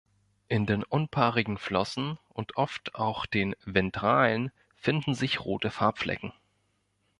In den unpaarigen Flossen und oft auch den ventralen finden sich rote Farbflecken.